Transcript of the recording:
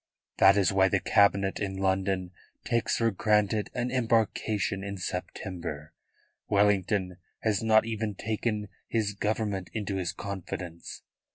That is why the Cabinet in London takes for granted an embarkation in September. Wellington has not even taken his Government into his confidence.